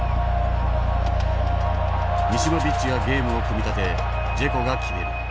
ミシモビッチがゲームを組み立てジェコが決める。